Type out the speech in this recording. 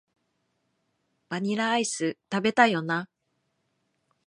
バニラアイス、食べたいよな